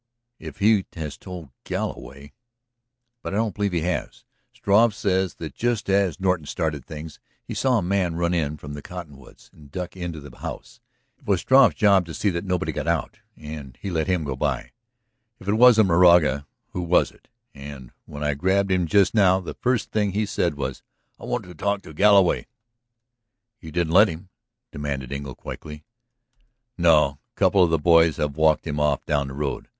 "If he has told Galloway. ..." "But I don't believe he has. Struve says that just as Norton started things he saw a man run in from the cottonwoods and duck into the house. It was Struve's job to see that nobody got out and he let him go by. If it wasn't Moraga, who was it? And, when I grabbed him just now, the first thing he said was: 'I want to talk with Galloway.'" "You didn't let him?" demanded Engle quickly. "No. A couple of the boys have walked him off down the road.